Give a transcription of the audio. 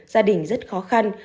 gia đình rất khó khăn